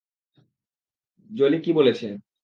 জলি কী বলেছে?